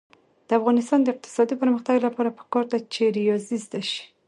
د افغانستان د اقتصادي پرمختګ لپاره پکار ده چې ریاضي زده شي.